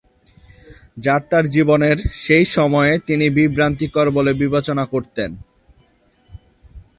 যা তার জীবনের সেই সময়ে তিনি বিভ্রান্তিকর বলে বিবেচনা করতেন।